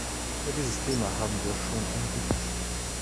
Über dieses Thema haben wir schon ein Lied geschrieben.